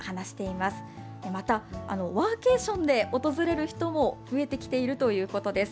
また、ワーケーションで訪れる人も増えてきているということです。